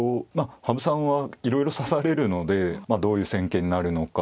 羽生さんはいろいろ指されるのでどういう戦型になるのか。